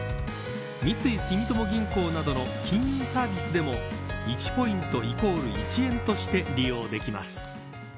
三井住友銀行などの金融サービスでも１ポイントイコール１円として利用できま